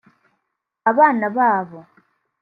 Abana babo